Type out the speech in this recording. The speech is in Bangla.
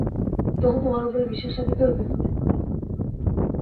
তবু তোমার উপরে বিশ্বাস রাখিতে হইবে?